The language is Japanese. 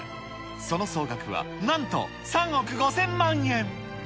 その総額はなんと３億５０００万円。